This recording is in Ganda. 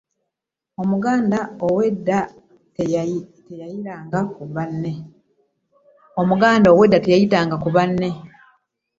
Omuganda ow'edda teyayitanga ku banne.